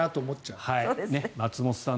松本さん。